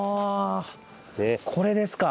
これですか？